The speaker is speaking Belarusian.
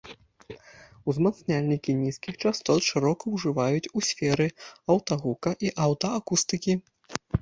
Узмацняльнікі нізкіх частот шырока ўжываюць у сферы аўтагука і аўтаакустыкі.